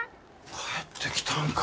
帰ってきたんか。